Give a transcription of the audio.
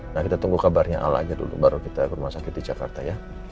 nah kita tunggu kabarnya alanya dulu baru kita ke rumah sakit di jakarta ya